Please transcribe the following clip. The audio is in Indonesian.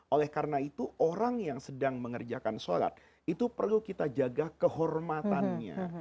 oleh karena itu orang yang sedang mengerjakan sholat itu perlu kita jaga kehormatannya